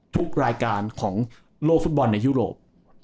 ทุกรายการของโลกฟุตบอลในยุโรป